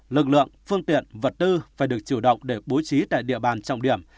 lực lượng phương tiện vật tư phải được chủ động để bố trí tại địa bàn trọng điểm